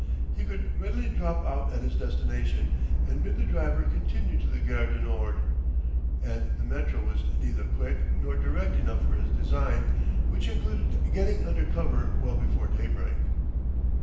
He could readily drop out at his destination, and bid the driver continue to the Gare du Nord; and the Métro was neither quick nor direct enough for his design which included getting under cover well before daybreak.